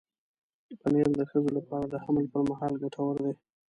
پنېر د ښځو لپاره د حمل پر مهال ګټور دی.